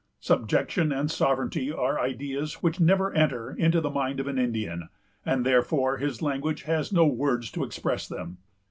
Subjection and sovereignty are ideas which never enter into the mind of an Indian, and therefore his language has no words to express them.